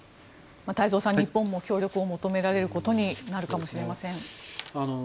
太蔵さん日本も協力を求められることになるかもしれません。